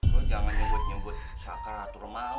lo jangan nyebut nyebut sakaratul maut